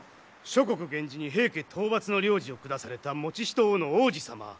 諸国源氏に平家討伐の令旨を下された以仁王の皇子様